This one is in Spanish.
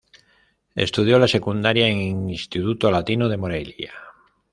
Estudió la secundaria en Instituto Latino de Morelia.